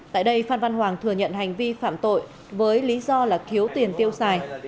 tại đây phan văn hoàng thừa nhận hành vi phạm tội với lý do là thiếu tiền tiêu xài